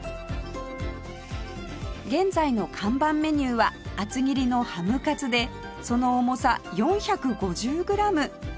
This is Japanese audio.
現在の看板メニューは厚切りのハムカツでその重さ４５０グラム！